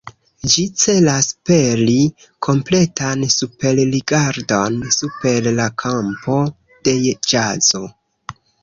Ĝi celas peri kompletan superrigardon super la kampo de ĵazo.